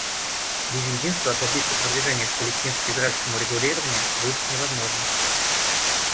Без единства добиться продвижения в палестино-израильском урегулировании будет невозможно.